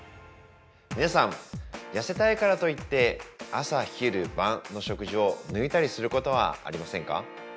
◆皆さん、痩せたいからと言って朝、昼、晩の食事を抜いたりすることはありませんか。